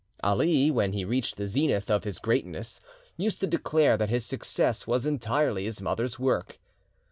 Ali, when he reached the zenith of his greatness, used to declare that his success was entirely his mother's work.